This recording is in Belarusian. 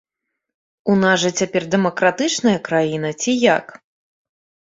У нас жа цяпер дэмакратычная краіна ці як?